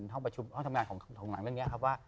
ห้องทำงานของหลังเรื่องนี้ครับว่า